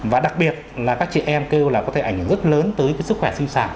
và đặc biệt là các chị em kêu là có thể ảnh hưởng rất lớn tới cái sức khỏe sinh sản